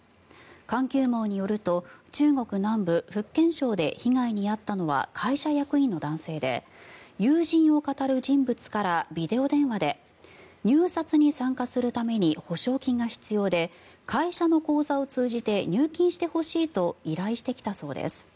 環球網によると中国南部福建省で被害に遭ったのは会社役員の男性で友人をかたる人物からビデオ電話で入札に参加するために保証金が必要で会社の口座を通じて入金してほしいと依頼してきたそうです。